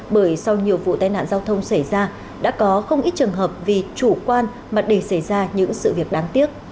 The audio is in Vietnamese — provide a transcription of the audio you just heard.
bởi sau nhiều vụ tai nạn giao thông xảy ra đã có không ít trường hợp vì chủ quan mà để xảy ra những sự việc đáng tiếc